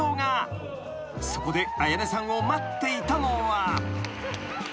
［そこで彩音さんを待っていたのは］